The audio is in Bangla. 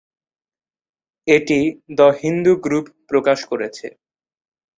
এটি দ্য হিন্দু গ্রুপ প্রকাশ করেছে।